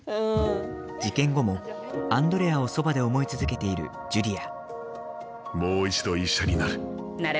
事件後もアンドレアをそばで思い続けているジュリア。